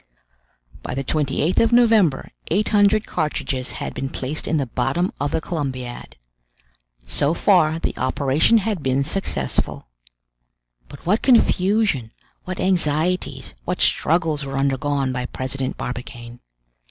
By the 28th of November eight hundred cartridges had been placed in the bottom of the Columbiad. So far the operation had been successful! But what confusion, what anxieties, what struggles were undergone by President Barbicane!